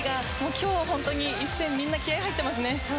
今日は本当に一戦、気合入っていますね。